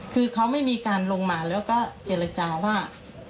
คือเขาไม่มีการลงมาแล้วก็เจรจาว่า